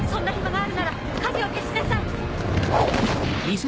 あっ！